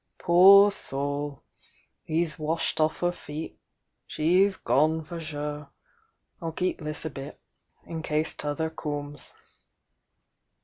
"Poor soul!— they'se washed off her feet,— she's gone, for sure! I'll keep this a bit— in case 'tother comes."